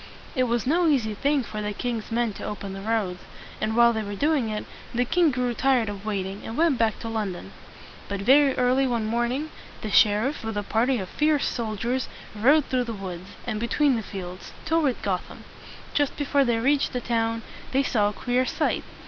It was no easy thing for the king's men to open the roads; and while they were doing it, the king grew tired of waiting, and went back to London. But very early one morning, the sheriff with a party of fierce soldiers rode through the woods, and between the fields, toward Gotham. Just before they reached the town, they saw a queer sight.